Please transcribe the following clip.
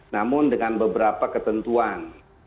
namun dengan beberapa ketentuan